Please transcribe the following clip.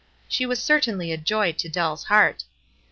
She was certainly a joy to Dell's heart.